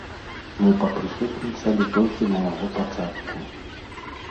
Мы папрысутнічалі толькі на яго пачатку.